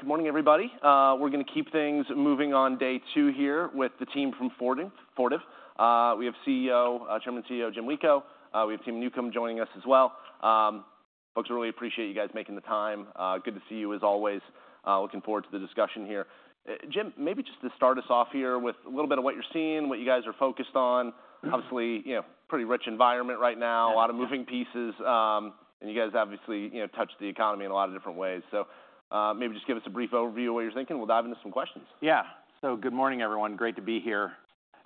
Good morning, everybody. We're gonna keep things moving on day two here with the team from Fortive. We have Chairman and CEO, Jim Lico. We have Tami Newcombe joining us as well. Folks, really appreciate you guys making the time. Good to see you, as always. Looking forward to the discussion here. Jim, maybe just to start us off here with a little bit of what you're seeing, what you guys are focused on. Mm-hmm. Obviously, you know, pretty rich environment right now- Yeah. A lot of moving pieces, and you guys obviously, you know, touch the economy in a lot of different ways. So, maybe just give us a brief overview of what you're thinking. We'll dive into some questions. Yeah. Good morning, everyone. Great to be here.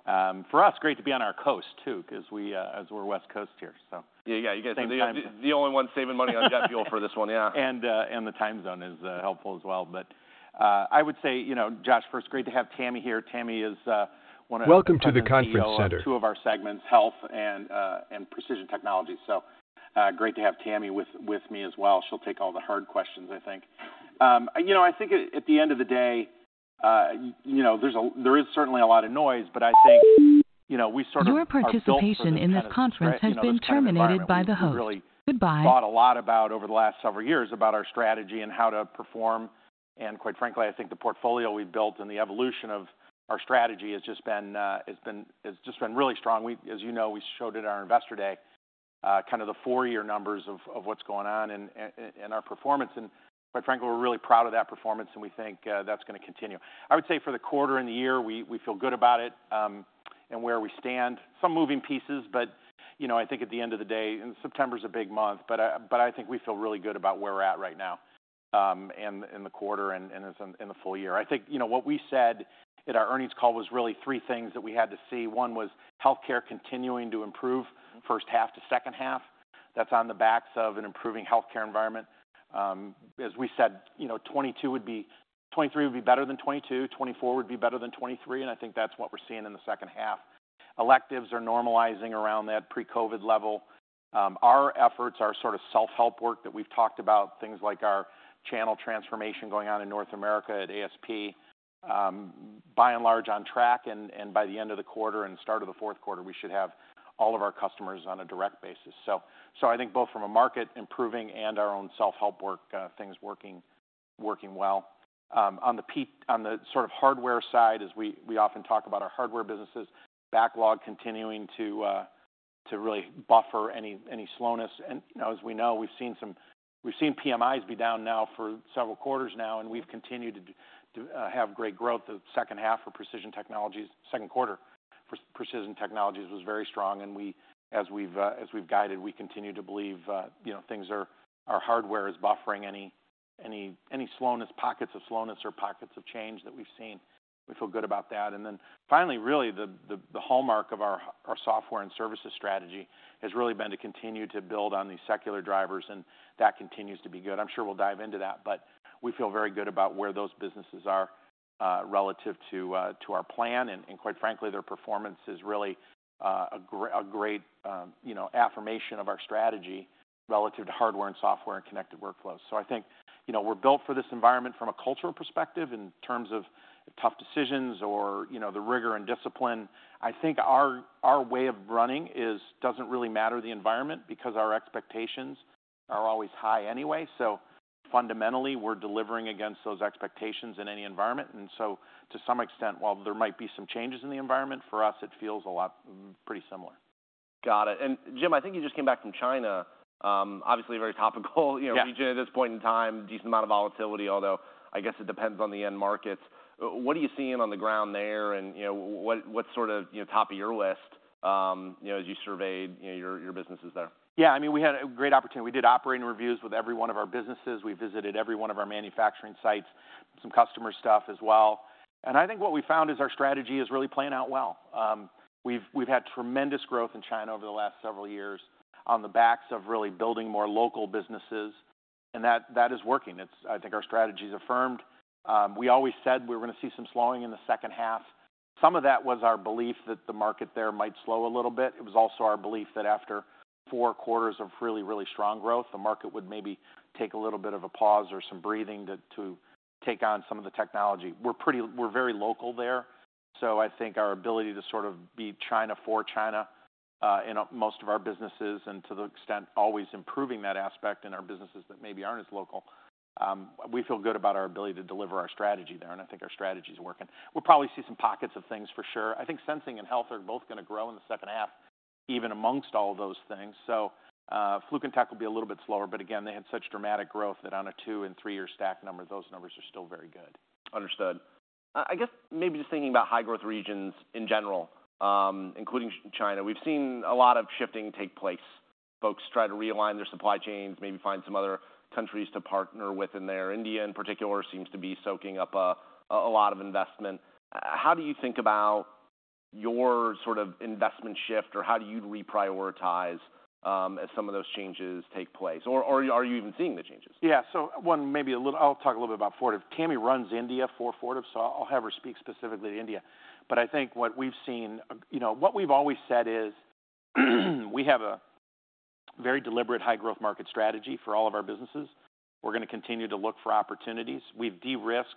For us, great to be on our coast, too, 'cause we, as we're West Coast here, so- Yeah, yeah, you guys- Same time zone. The only ones saving money on jet fuel - for this one, yeah. The time zone is helpful as well. I would say, you know, Josh, first, great to have Tami here. Tami is one of- Welcome to the conference center. CEO of two of our segments, health and precision technology. So, great to have Tami with me as well. She'll take all the hard questions, I think. You know, I think at the end of the day, you know, there is certainly a lot of noise, but I think you know, we sort of are built for this kind of- Your participation in this conference has been terminated by the host. Goodbye. You know, this kind of environment. We've really thought a lot about over the last several years about our strategy and how to perform. And quite frankly, I think the portfolio we've built and the evolution of our strategy has just been really strong. We've as you know, we showed at our Investor Day, kind of the four-year numbers of what's going on in our performance, and quite frankly, we're really proud of that performance, and we think that's gonna continue. I would say for the quarter and the year, we feel good about it, and where we stand. Some moving pieces, but, you know, I think at the end of the day, and September's a big month, but I think we feel really good about where we're at right now, in the quarter and in the full year. I think, you know, what we said in our earnings call was really three things that we had to see. One was healthcare continuing to improve- Mm-hmm... first half to second half. That's on the backs of an improving healthcare environment. As we said, you know, 2022 would be, 2023 would be better than 2022, 2024 would be better than 2023, and I think that's what we're seeing in the second half. Electives are normalizing around that pre-COVID level. Our efforts, our sort of self-help work that we've talked about, things like our channel transformation going on in North America at ASP, by and large, on track, and by the end of the quarter and start of the fourth quarter, we should have all of our customers on a direct basis. So I think both from a market improving and our own self-help work, things working well. On the sort of hardware side, as we often talk about our hardware businesses, backlog continuing to really buffer any slowness. And as we know, we've seen some PMIs be down now for several quarters now, and we've continued to have great growth. The second quarter for Precision Technologies was very strong, and as we've guided, we continue to believe, you know, our hardware is buffering any slowness, pockets of slowness or pockets of change that we've seen. We feel good about that. And then finally, really, the hallmark of our software and services strategy has really been to continue to build on these secular drivers, and that continues to be good. I'm sure we'll dive into that, but we feel very good about where those businesses are relative to our plan, and quite frankly, their performance is really a great, you know, affirmation of our strategy relative to hardware and software and connected workflows. So I think, you know, we're built for this environment from a cultural perspective in terms of tough decisions or, you know, the rigor and discipline. I think our way of running is doesn't really matter the environment because our expectations are always high anyway. So fundamentally, we're delivering against those expectations in any environment. And so to some extent, while there might be some changes in the environment, for us, it feels a lot pretty similar. Got it. And Jim, I think you just came back from China. Obviously a very topical- Yeah ...region at this point in time. Decent amount of volatility, although I guess it depends on the end markets. What are you seeing on the ground there, and you know, what's sort of, you know, top of your list, you know, as you surveyed, you know, your businesses there? Yeah, I mean, we had a great opportunity. We did operating reviews with every one of our businesses. We visited every one of our manufacturing sites, some customer stuff as well. And I think what we found is our strategy is really playing out well. We've had tremendous growth in China over the last several years on the backs of really building more local businesses, and that is working. It's. I think our strategy is affirmed. We always said we were gonna see some slowing in the second half. Some of that was our belief that the market there might slow a little bit. It was also our belief that after four quarters of really, really strong growth, the market would maybe take a little bit of a pause or some breathing to take on some of the technology. We're very local there, so I think our ability to sort of be China for China in most of our businesses, and to the extent, always improving that aspect in our businesses that maybe aren't as local, we feel good about our ability to deliver our strategy there, and I think our strategy is working. We'll probably see some pockets of things for sure. I think sensing and health are both gonna grow in the second half, even amongst all those things. So, Fluke and Tek will be a little bit slower, but again, they had such dramatic growth that on a 2- and 3-year stack number, those numbers are still very good. Understood. I guess maybe just thinking about high-growth regions in general, including China, we've seen a lot of shifting take place. Folks try to realign their supply chains, maybe find some other countries to partner with in there. India, in particular, seems to be soaking up a lot of investment. How do you think about your sort of investment shift, or how do you reprioritize, as some of those changes take place? Or, are you even seeing the changes? Yeah. So, maybe a little... I'll talk a little bit about Fortive. Tami runs India for Fortive, so I'll have her speak specifically to India. But I think what we've seen, you know, what we've always said is, we have a very deliberate high-growth market strategy for all of our businesses. We're gonna continue to look for opportunities. We've de-risked.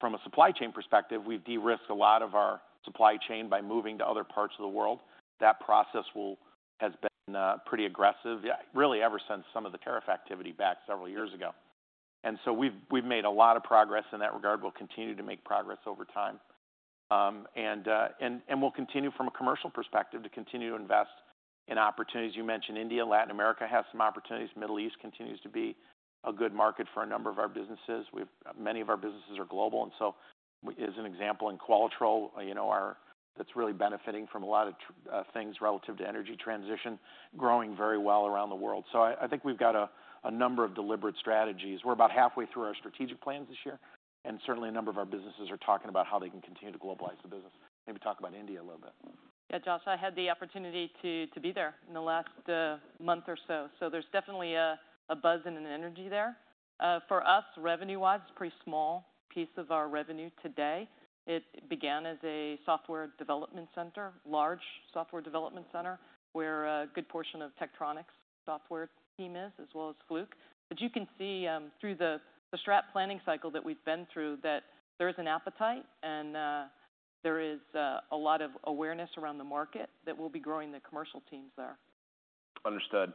From a supply chain perspective, we've de-risked a lot of our supply chain by moving to other parts of the world. That process has been pretty aggressive, yeah, really ever since some of the tariff activity back several years ago. And so we've made a lot of progress in that regard. We'll continue to make progress over time. And we'll continue from a commercial perspective to continue to invest in opportunities. You mentioned India, Latin America, has some opportunities. Middle East continues to be a good market for a number of our businesses. Many of our businesses are global, and so as an example, in Qualitrol, you know, our. That's really benefiting from a lot of things relative to energy transition, growing very well around the world. So I think we've got a number of deliberate strategies. We're about halfway through our strategic plans this year, and certainly, a number of our businesses are talking about how they can continue to globalize the business. Maybe talk about India a little bit. Yeah, Josh, I had the opportunity to be there in the last month or so, so there's definitely a buzz and an energy there. For us, revenue-wise, it's a pretty small piece of our revenue today. It began as a software development center, large software development center, where a good portion of Tektronix software team is, as well as Fluke. But you can see through the strat planning cycle that we've been through, that there is an appetite and there is a lot of awareness around the market that we'll be growing the commercial teams there. Understood.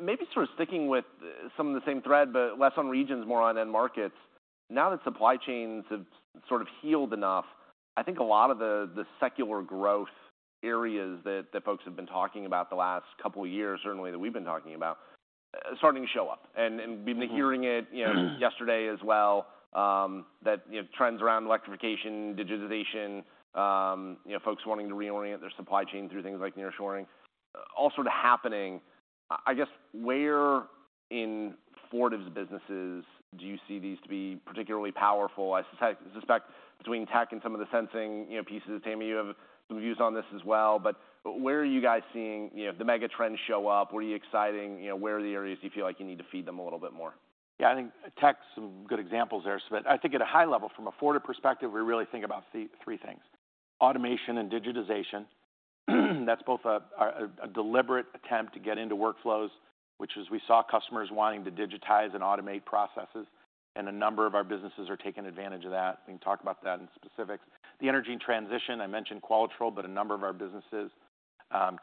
Maybe sort of sticking with some of the same thread, but less on regions, more on end markets. Now that supply chains have sort of healed enough, I think a lot of the secular growth areas that folks have been talking about the last couple of years, certainly that we've been talking about, are starting to show up. And we've been hearing it, you know, yesterday as well, that you know, trends around electrification, digitization, you know, folks wanting to reorient their supply chain through things like nearshoring, all sort of happening. I guess, where in Fortive's businesses do you see these to be particularly powerful? I suspect between Tek and some of the sensing, you know, pieces, Tami, you have some views on this as well. But, where are you guys seeing, you know, the mega trends show up? Where are you excited, you know, where are the areas you feel like you need to feed them a little bit more? Yeah, I think Tek's some good examples there. So but I think at a high level, from a Fortive perspective, we really think about three things: automation and digitization. That's both a deliberate attempt to get into workflows, which is we saw customers wanting to digitize and automate processes, and a number of our businesses are taking advantage of that. We can talk about that in specifics. The energy and transition, I mentioned Qualitrol, but a number of our businesses.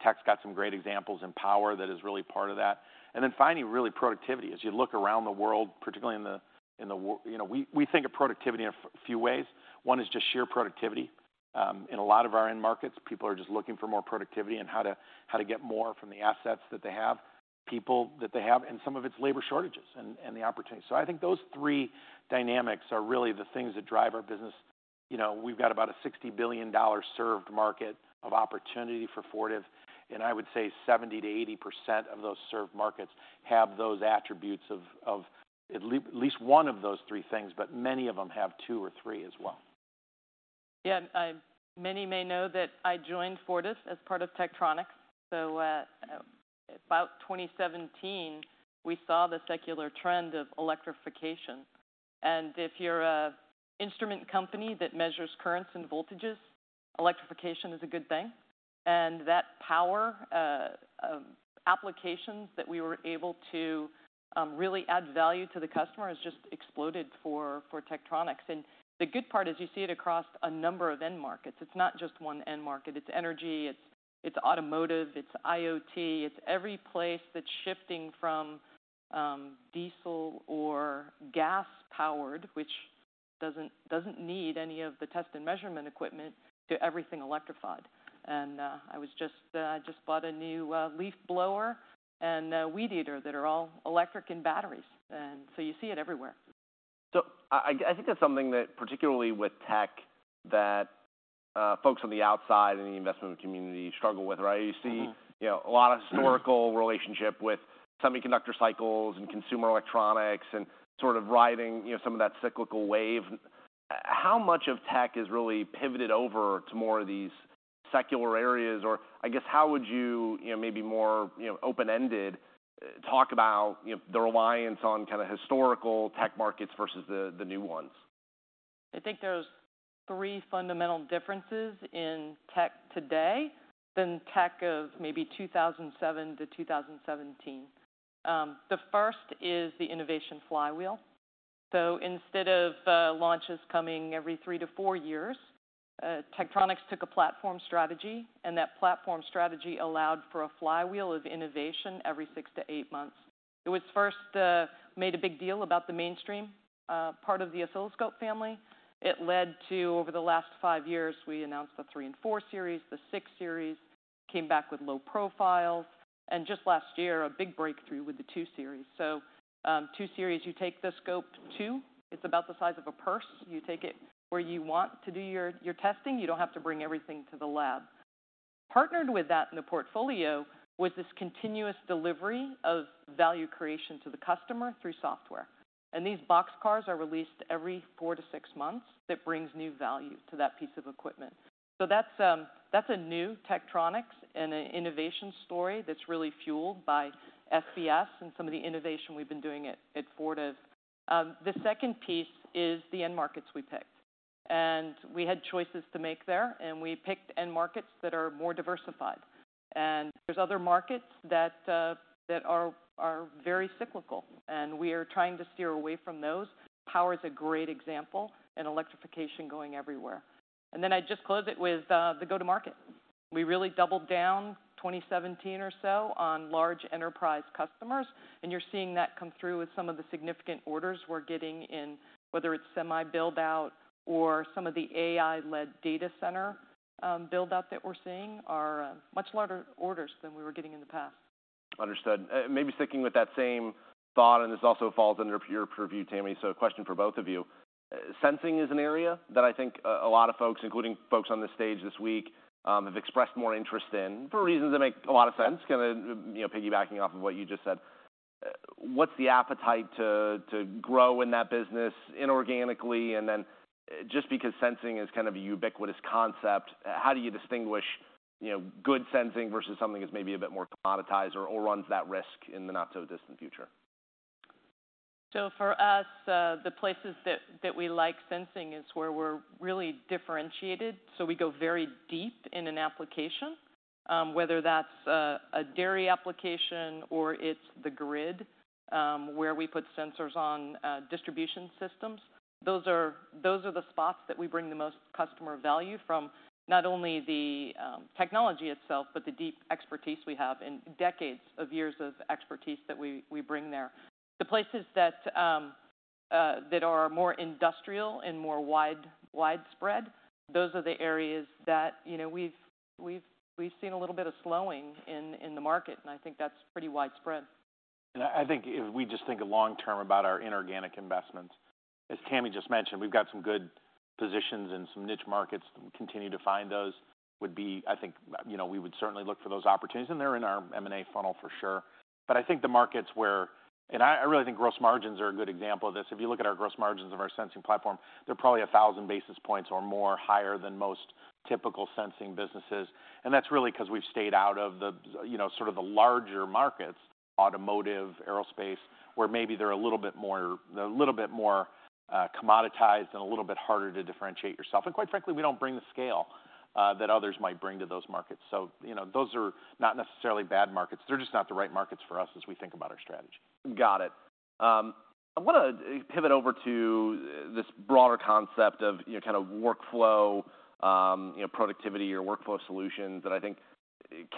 Tek's got some great examples in power that is really part of that. And then finally, really, productivity. As you look around the world, particularly in the world, you know, we think of productivity in a few ways. One is just sheer productivity. In a lot of our end markets, people are just looking for more productivity and how to, how to get more from the assets that they have, people that they have, and some of it's labor shortages and the opportunity. So I think those three dynamics are really the things that drive our business. You know, we've got about a $60 billion served market of opportunity for Fortive, and I would say 70%-80% of those served markets have those attributes of at least one of those three things, but many of them have two or three as well. Yeah, many may know that I joined Fortive as part of Tektronix. So, about 2017, we saw the secular trend of electrification. And if you're an instrument company that measures currents and voltages, electrification is a good thing. And that power really add value to the customer has just exploded for Tektronix. And the good part is you see it across a number of end markets. It's not just one end market. It's energy, it's automotive, it's IoT. It's every place that's shifting from diesel or gas-powered, which doesn't need any of the test and measurement equipment, to everything electrified. And I was just, I just bought a new leaf blower and a weed eater that are all electric and batteries, and so you see it everywhere. So, I think that's something that, particularly with tech, that folks on the outside in the investment community struggle with, right? Mm-hmm. You see, you know, a lot of historical relationship with semiconductor cycles and consumer electronics and sort of riding, you know, some of that cyclical wave. How much of Tek has really pivoted over to more of these secular areas? Or I guess, how would you, you know, maybe more, you know, open-ended, talk about, you know, the reliance on kind of historical Tek markets versus the new ones? I think there's 3 fundamental differences in Tek today than Tek of maybe 2007 to 2017. The first is the innovation flywheel. So instead of launches coming every 3-4 years, Tektronix took a platform strategy, and that platform strategy allowed for a flywheel of innovation every 6-8 months. It was first made a big deal about the mainstream part of the oscilloscope family. It led to, over the last 5 years, we announced the 3 and 4 Series. The 6 Series came back with low profiles, and just last year, a big breakthrough with the 2 Series. So, 2 Series, you take the Scope, too it's about the size of a purse. You take it where you want to do your testing. You don't have to bring everything to the lab. Partnered with that in the portfolio was this continuous delivery of value creation to the customer through software, and these box cars are released every 4-6 months. That brings new value to that piece of equipment. So that's a new Tektronix and an innovation story that's really fueled by FBS and some of the innovation we've been doing at Fortive. The second piece is the end markets we picked, and we had choices to make there, and we picked end markets that are more diversified. There's other markets that are very cyclical, and we are trying to steer away from those. Power is a great example, and electrification going everywhere. Then I'd just close it with the go-to-market. We really doubled down 2017 or so on large enterprise customers, and you're seeing that come through with some of the significant orders we're getting in, whether it's semi build-out or some of the AI-led data center build-out that we're seeing are much larger orders than we were getting in the past. Understood. Maybe sticking with that same thought, and this also falls under your purview, Tami, so a question for both of you. Sensing is an area that I think a lot of folks, including folks on the stage this week, have expressed more interest in, for reasons that make a lot of sense, kind of, you know, piggybacking off of what you just said. What's the appetite to grow in that business inorganically? And then just because sensing is kind of a ubiquitous concept, how do you distinguish, you know, good sensing versus something that's maybe a bit more commoditized or runs that risk in the not-so-distant future? So for us, the places that we like sensing is where we're really differentiated, so we go very deep in an application, whether that's a dairy application or it's the grid, where we put sensors on distribution systems. Those are the spots that we bring the most customer value from, not only the technology itself, but the deep expertise we have and decades of years of expertise that we bring there. The places that are more industrial and more widespread, those are the areas that, you know, we've seen a little bit of slowing in the market, and I think that's pretty widespread. I, I think if we just think of long term about our inorganic investments, as Tami just mentioned, we've got some good positions in some niche markets, and continue to find those would be... I think, you know, we would certainly look for those opportunities, and they're in our M&A funnel for sure. But I think the markets where, and I, I really think gross margins are a good example of this. If you look at our gross margins of our sensing platform, they're probably 1,000 basis points or more higher than most typical sensing businesses. And that's really 'cause we've stayed out of the, you know, sort of the larger markets, automotive, aerospace, where maybe they're a little bit more, they're a little bit more, commoditized and a little bit harder to differentiate yourself. Quite frankly, we don't bring the scale that others might bring to those markets. So, you know, those are not necessarily bad markets, they're just not the right markets for us as we think about our strategy. Got it. I want to pivot over to this broader concept of, you know, kind of workflow, you know, productivity or workflow solutions that I think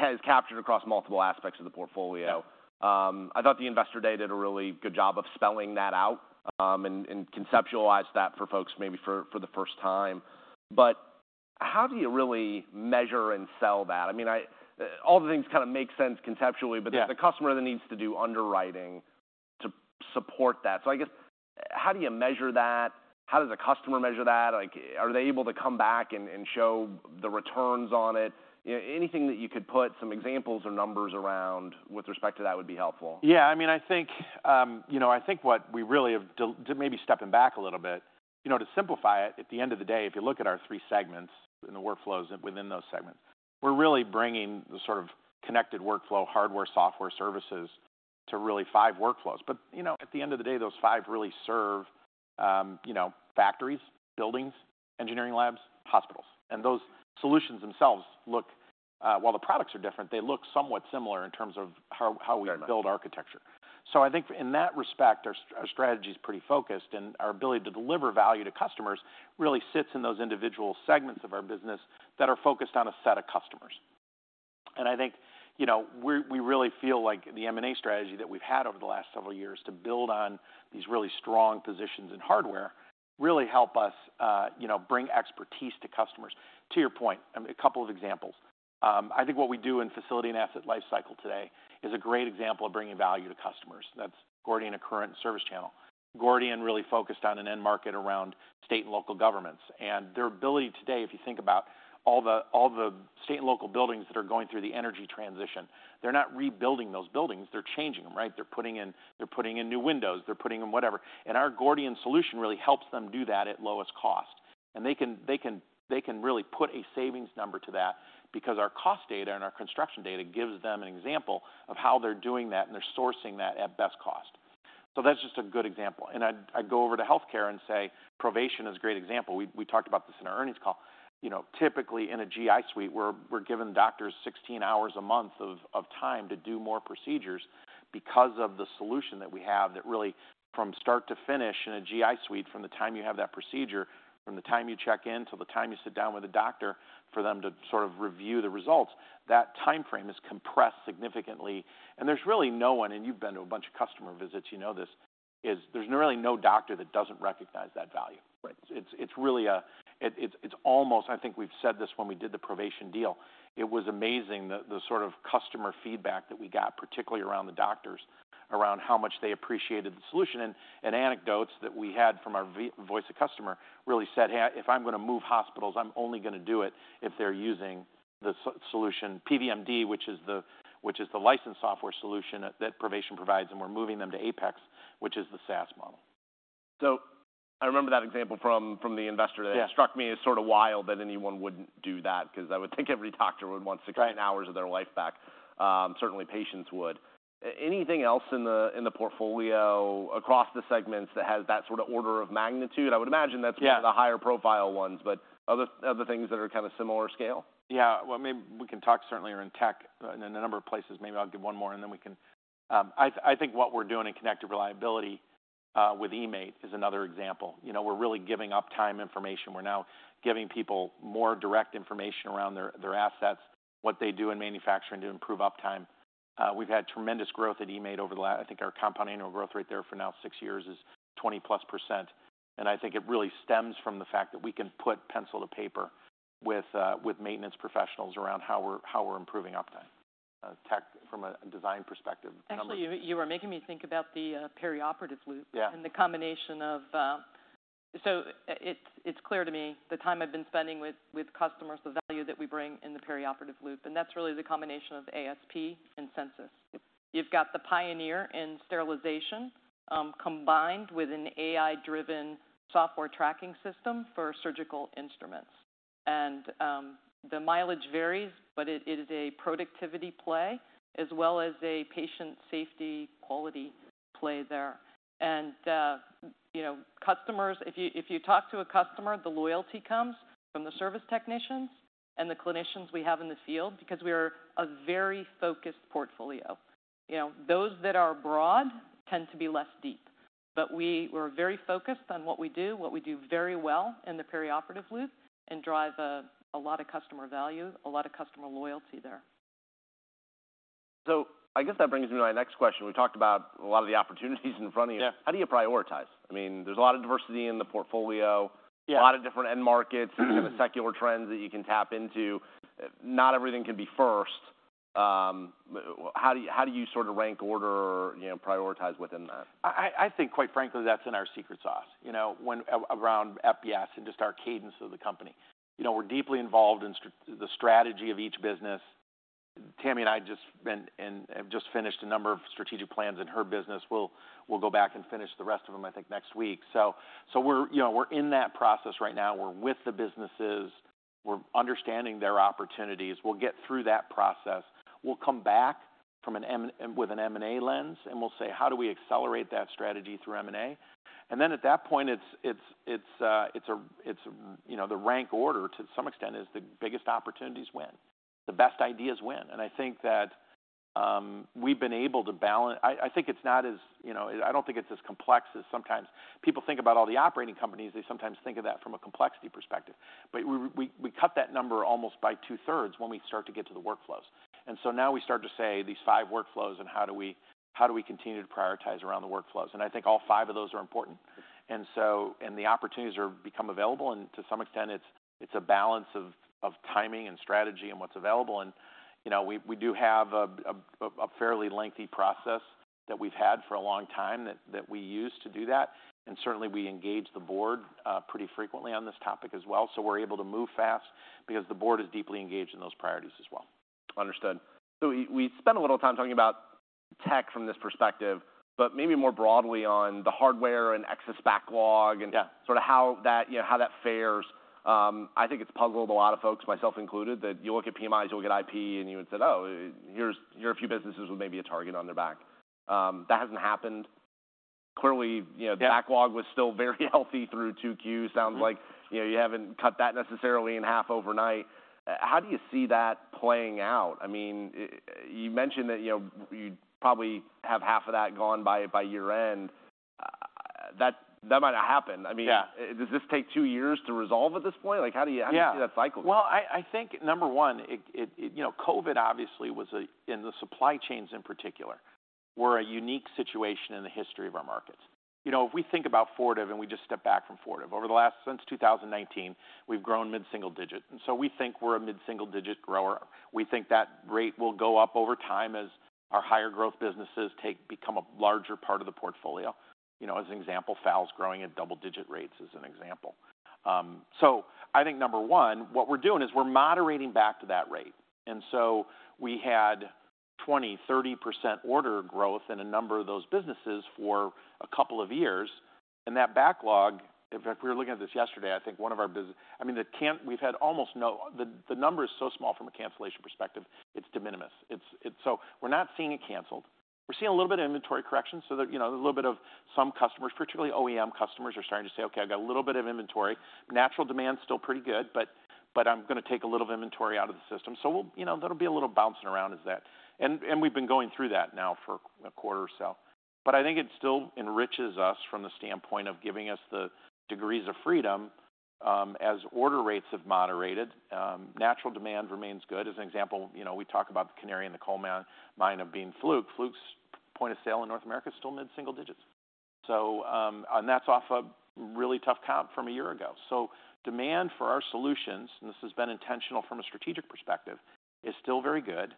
is captured across multiple aspects of the portfolio. I thought the Investor Day did a really good job of spelling that out, and conceptualized that for folks maybe for the first time. But how do you really measure and sell that? I mean, all the things kind of make sense conceptually- Yeah... but the customer then needs to do underwriting to support that. So I guess, how do you measure that? How does the customer measure that? Like, are they able to come back and show the returns on it? You know, anything that you could put some examples or numbers around with respect to that would be helpful. Yeah, I mean, I think, you know, I think what we really have, maybe stepping back a little bit, you know, to simplify it, at the end of the day, if you look at our three segments and the workflows within those segments, we're really bringing the sort of connected workflow, hardware, software, services to really five workflows. But, you know, at the end of the day, those five really serve, you know, factories, buildings, engineering labs, hospitals. And those solutions themselves look, while the products are different, they look somewhat similar in terms of how we- Very much... build architecture. So I think in that respect, our strategy is pretty focused, and our ability to deliver value to customers really sits in those individual segments of our business that are focused on a set of customers. And I think, you know, we really feel like the M&A strategy that we've had over the last several years to build on these really strong positions in hardware really help us, you know, bring expertise to customers. To your point, a couple of examples. I think what we do in Facility and Asset Lifecycle today is a great example of bringing value to customers. That's Gordian, Accruent, and ServiceChannel. Gordian really focused on an end market around state and local governments, and their ability today, if you think about all the, all the state and local buildings that are going through the energy transition, they're not rebuilding those buildings, they're changing them, right? They're putting in, they're putting in new windows, they're putting in whatever. And our Gordian solution really helps them do that at lowest cost. And they can, they can, they can really put a savings number to that because our cost data and our construction data gives them an example of how they're doing that, and they're sourcing that at best cost. So that's just a good example. And I'd, I'd go over to healthcare and say, Provation is a great example. We, we talked about this in our earnings call. You know, typically in a GI Suite, we're giving doctors 16 hours a month of time to do more procedures because of the solution that we have that really from start to finish in a GI Suite, from the time you have that procedure, from the time you check in till the time you sit down with a doctor for them to sort of review the results, that timeframe is compressed significantly. And there's really no one, and you've been to a bunch of customer visits, you know this, there's really no doctor that doesn't recognize that value. Right. It's really a... It's almost, I think we've said this when we did the Provation deal, it was amazing the sort of customer feedback that we got, particularly around the doctors, around how much they appreciated the solution. And anecdotes that we had from our voice of customer really said, "Hey, if I'm gonna move hospitals, I'm only gonna do it if they're using the solution PVMD," which is the licensed software solution that Provation provides, and we're moving them to APEX, which is the SaaS model.... So I remember that example from the investor- Yeah. that struck me as sort of wild that anyone would do that, because I would think every doctor would want to- Right Get hours of their life back, certainly patients would. Anything else in the portfolio across the segments that has that sort of order of magnitude? I would imagine that's- Yeah one of the higher profile ones, but other, other things that are kind of similar scale? Yeah, well, maybe we can talk certainly around tech and in a number of places. Maybe I'll give one more, and then we can... I think what we're doing in connected reliability with eMaint is another example. You know, we're really giving uptime information. We're now giving people more direct information around their assets, what they do in manufacturing to improve uptime. We've had tremendous growth at eMaint over the last—I think our compounding annual growth rate there for now 6 years is 20+%, and I think it really stems from the fact that we can put pencil to paper with maintenance professionals around how we're improving uptime, tech from a design perspective. Actually, you were making me think about the perioperative loop- Yeah and the combination of, So it's, it's clear to me the time I've been spending with, with customers, the value that we bring in the Perioperative Loop, and that's really the combination of ASP and Censis. You've got the pioneer in sterilization, combined with an AI-driven software tracking system for surgical instruments. And, the mileage varies, but it, it is a productivity play as well as a patient safety, quality play there. And, you know, customers, if you, if you talk to a customer, the loyalty comes from the service technicians and the clinicians we have in the field because we are a very focused portfolio. You know, those that are broad tend to be less deep. But we're very focused on what we do, what we do very well in the Perioperative Loop, and drive a lot of customer value, a lot of customer loyalty there. I guess that brings me to my next question. We talked about a lot of the opportunities in front of you. Yeah. How do you prioritize? I mean, there's a lot of diversity in the portfolio. Yeah. A lot of different end markets and the secular trends that you can tap into. Not everything can be first. How do you, how do you sort of rank, order, or, you know, prioritize within that? I think, quite frankly, that's in our secret sauce, you know, when around FPS and just our cadence of the company. You know, we're deeply involved in the strategy of each business. Tami and I have just finished a number of strategic plans in her business. We'll go back and finish the rest of them, I think, next week. So we're, you know, we're in that process right now. We're with the businesses. We're understanding their opportunities. We'll get through that process. We'll come back with an M&A lens, and we'll say: How do we accelerate that strategy through M&A? And then at that point, it's, you know, the rank order, to some extent, is the biggest opportunities win. The best ideas win. And I think that, we've been able to balance... I think it's not as, you know, I don't think it's as complex as sometimes people think about all the operating companies. They sometimes think of that from a complexity perspective. But we cut that number almost by two-thirds when we start to get to the workflows. And so now we start to say, these five workflows, and how do we continue to prioritize around the workflows? And I think all five of those are important, and so and the opportunities are become available, and to some extent, it's a balance of timing and strategy and what's available. And, you know, we do have a fairly lengthy process that we've had for a long time that we use to do that, and certainly, we engage the board pretty frequently on this topic as well. We're able to move fast because the board is deeply engaged in those priorities as well. Understood. So we spent a little time talking about tech from this perspective, but maybe more broadly on the hardware and excess backlog- Yeah and sort of how that, you know, how that fares. I think it's puzzled a lot of folks, myself included, that you look at PMIs, you look at IP, and you would said, "Oh, here are a few businesses with maybe a target on their back." That hasn't happened. Clearly, you know. Yeah... the backlog was still very healthy through two Qs. Mm-hmm. Sounds like, you know, you haven't cut that necessarily in half overnight. How do you see that playing out? I mean, you mentioned that, you know, you'd probably have half of that gone by year-end. That might not happen. I mean- Yeah... does this take two years to resolve at this point? Like, how do you- Yeah How do you see that cycle? Well, I think, number one, you know, COVID obviously was a unique situation in the supply chains in particular in the history of our markets. You know, if we think about Fortive, and we just step back from Fortive, over the last since 2019, we've grown mid-single-digit, and so we think we're a mid-single-digit grower. We think that rate will go up over time as our higher growth businesses become a larger part of the portfolio. You know, as an example, FAL is growing at double-digit rates, as an example. So I think number one, what we're doing is we're moderating back to that rate, and so we had 20-30% order growth in a number of those businesses for a couple of years, and that backlog... In fact, we were looking at this yesterday, I think one of our - I mean, the - we've had almost no. The number is so small from a cancellation perspective, it's de minimis. It's so we're not seeing it canceled. We're seeing a little bit of inventory correction, so that, you know, a little bit of some customers, particularly OEM customers, are starting to say, "Okay, I've got a little bit of inventory. Natural demand's still pretty good, but, but I'm gonna take a little inventory out of the system." So we'll. You know, that'll be a little bouncing around as that, and we've been going through that now for a quarter or so. But I think it still enriches us from the standpoint of giving us the degrees of freedom as order rates have moderated. Natural demand remains good. As an example, you know, we talk about the canary in the coal mine of being Fluke. Fluke's point of sale in North America is still mid-single digits. So, and that's off a really tough comp from a year ago. So demand for our solutions, and this has been intentional from a strategic perspective, is still very good.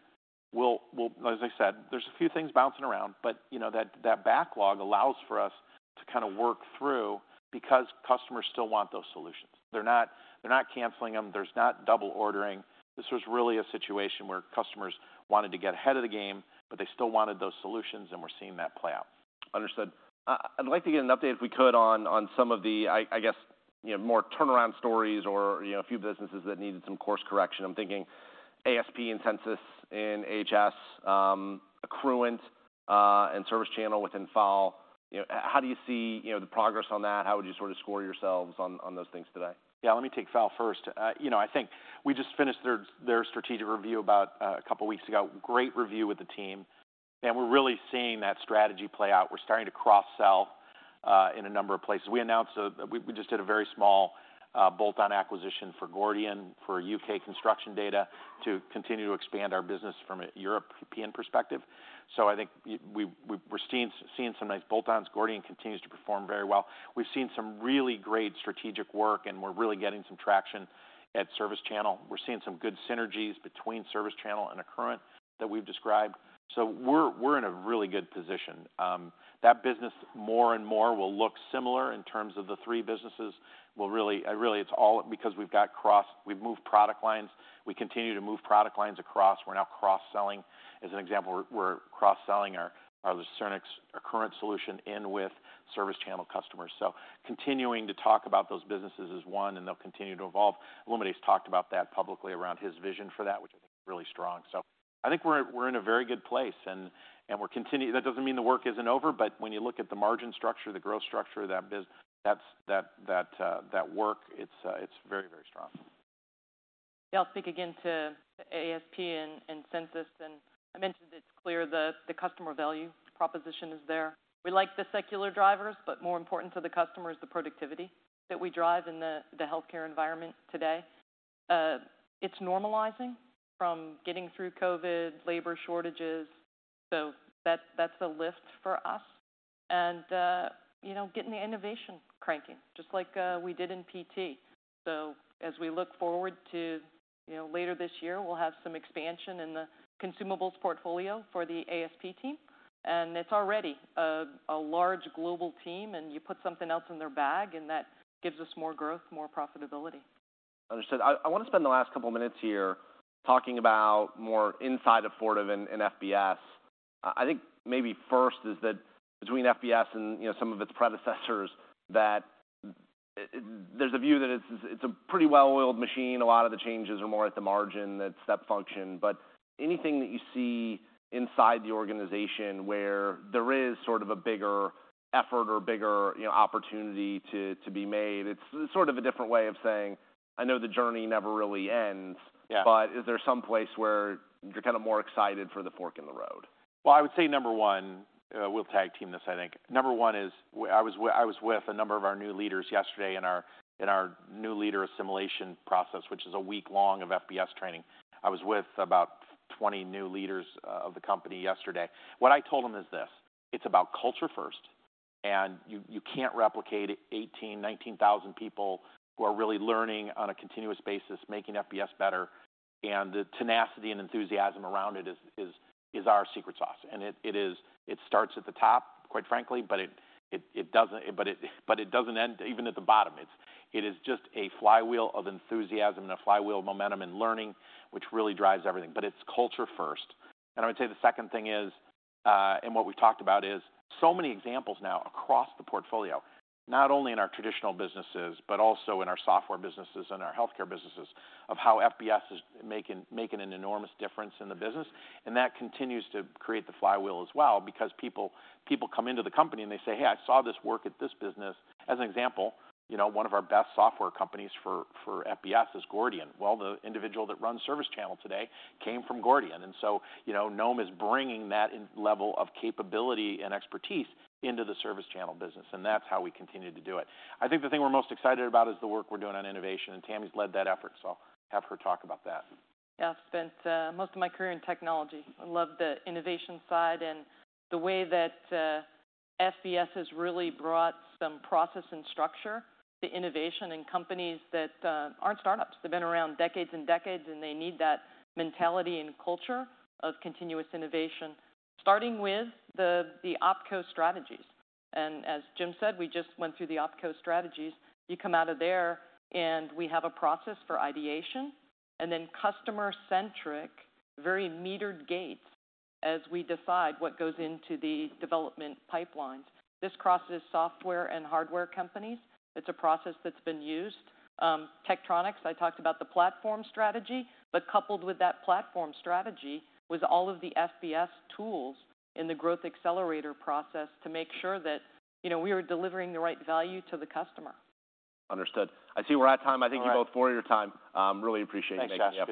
We'll as I said, there's a few things bouncing around, but, you know, that, that backlog allows for us to kind of work through because customers still want those solutions. They're not, they're not canceling them. There's not double ordering. This was really a situation where customers wanted to get ahead of the game, but they still wanted those solutions, and we're seeing that play out. Understood. I'd like to get an update, if we could, on some of the, I guess, you know, more turnaround stories or, you know, a few businesses that needed some course correction. I'm thinking ASP and Censis in AHS, Accruent, and ServiceChannel within FAL. You know, how do you see, you know, the progress on that? How would you sort of score yourselves on those things today? Yeah, let me take FAL first. You know, I think we just finished their strategic review about a couple of weeks ago. Great review with the team, and we're really seeing that strategy play out. We're starting to cross-sell in a number of places. We just did a very small bolt-on acquisition for Gordian, for UK Construction Data, to continue to expand our business from a European perspective. So I think we're seeing some nice bolt-ons. Gordian continues to perform very well. We've seen some really great strategic work, and we're really getting some traction at ServiceChannel. We're seeing some good synergies between ServiceChannel and Accruent that we've described, so we're in a really good position. That business, more and more, will look similar in terms of the three businesses. Well, really... Really, it's all because we've moved product lines. We continue to move product lines across. We're now cross-selling. As an example, we're cross-selling our Lucernex Accruent solution in with ServiceChannel customers. So continuing to talk about those businesses is one, and they'll continue to evolve. Lico talked about that publicly around his vision for that, which I think is really strong. So I think we're in a very good place, and we're continuing. That doesn't mean the work isn't over, but when you look at the margin structure, the growth structure of that business, that's that work, it's very, very strong. Yeah, I'll speak again to ASP and Censis, and I mentioned it's clear that the customer value proposition is there. We like the secular drivers, but more important to the customer is the productivity that we drive in the healthcare environment today. It's normalizing from getting through COVID, labor shortages, so that's a lift for us, and you know, getting the innovation cranking, just like we did in PT. So as we look forward to you know, later this year, we'll have some expansion in the consumables portfolio for the ASP team, and it's already a large global team, and you put something else in their bag, and that gives us more growth, more profitability. Understood. I wanna spend the last couple of minutes here talking about more inside of Fortive and FBS. I think maybe first is that between FBS and, you know, some of its predecessors, there's a view that it's a pretty well-oiled machine. A lot of the changes are more at the margin, that step function. But anything that you see inside the organization where there is sort of a bigger effort or bigger, you know, opportunity to be made? It's sort of a different way of saying, I know the journey never really ends- Yeah. But is there some place where you're kinda more excited for the fork in the road? Well, I would say number one, we'll tag-team this, I think. Number one is, I was with a number of our new leaders yesterday in our new leader assimilation process, which is a week-long of FBS training. I was with about 20 new leaders of the company yesterday. What I told them is this: It's about culture first, and you can't replicate 18,000-19,000 people who are really learning on a continuous basis, making FBS better. And the tenacity and enthusiasm around it is our secret sauce, and it starts at the top, quite frankly, but it doesn't end even at the bottom. It is just a flywheel of enthusiasm and a flywheel of momentum and learning, which really drives everything. But it's culture first. I would say the second thing is, and what we've talked about, is so many examples now across the portfolio, not only in our traditional businesses, but also in our software businesses and our healthcare businesses, of how FBS is making an enormous difference in the business. That continues to create the flywheel as well, because people come into the company and they say, "Hey, I saw this work at this business." As an example, you know, one of our best software companies for FBS is Gordian. Well, the individual that runs ServiceChannel today came from Gordian, and so, you know, Noam is bringing that in level of capability and expertise into the ServiceChannel business, and that's how we continue to do it. I think the thing we're most excited about is the work we're doing on innovation, and Tami's led that effort, so I'll have her talk about that. Yeah, I've spent most of my career in technology. I love the innovation side and the way that FBS has really brought some process and structure to innovation in companies that aren't startups. They've been around decades and decades, and they need that mentality and culture of continuous innovation, starting with the OpCo strategies. And as Jim said, we just went through the OpCo strategies. You come out of there, and we have a process for ideation, and then customer-centric, very metered gates as we decide what goes into the development pipelines. This crosses software and hardware companies. It's a process that's been used. Tektronix, I talked about the platform strategy, but coupled with that platform strategy was all of the FBS tools in the Growth Accelerator process to make sure that, you know, we are delivering the right value to the customer. Understood. I see we're out of time. All right. I thank you both for your time. Really appreciate you guys being here.